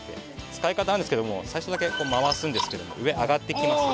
使い方なんですけど最初だけ回すんですけど上上がってきます。